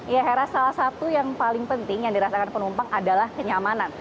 ya hera salah satu yang paling penting yang dirasakan penumpang adalah kenyamanan